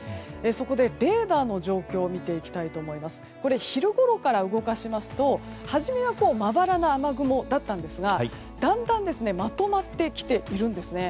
そこで、レーダーの状況を見ていきますと昼頃から動かしますと初めはまばらな雨雲だったんですがだんだんまとまってきているんですね。